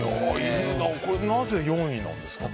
なぜ４位なんですか？